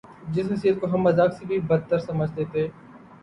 جس حیثیت کو ہم مذاق سے بھی بد تر سمجھتے تھے۔